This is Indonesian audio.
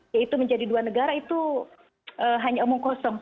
yaitu menjadi dua negara itu hanya omongkos